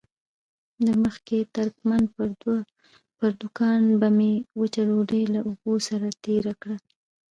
د مخي ترکمن پر دوکان به مې وچه ډوډۍ له اوبو سره تېره کړه.